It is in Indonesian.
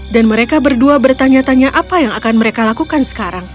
dan mereka berdua bertanya tanya apa yang akan mereka lakukan sekarang